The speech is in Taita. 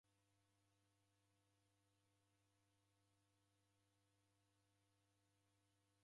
Mw'ighorie w'ose w'isaw'emanya.